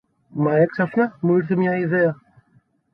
Μα έξαφνα μου ήλθε μια ιδέα.